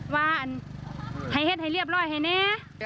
ว่านให้เห็นให้เรียบร้อยให้แน่